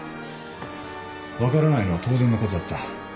分からないのは当然のことだった。